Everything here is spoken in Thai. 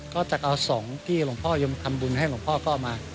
ก็จะเอาสองที่หลวงพ่อยมทำบุญให้หลวงพ่อก็เอามา